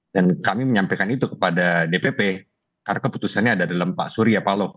dan kami menyampaikan itu kepada dpp karena keputusannya ada dalam pak surya paloh